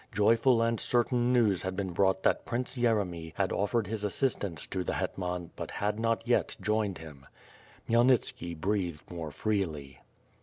Joyful and certain news had been brought that Prince Yeremy had offered his assistance to the Hetman but had not yet joined him. Khmyelnitski breathed more freely.